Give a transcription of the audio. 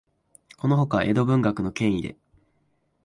このほか、江戸文学の権威で、